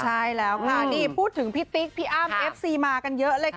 ใช่แล้วค่ะนี่พูดถึงพี่ติ๊กพี่อ้ำเอฟซีมากันเยอะเลยค่ะ